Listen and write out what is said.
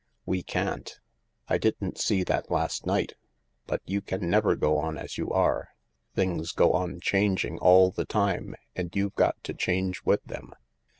"We can't. I didn't see that last night— but you can never go on as you are. Things go on changing all the time, and you've got to change with them.